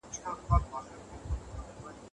آیا ستاسو په نظر کابل یو پرمختللی ښار دی؟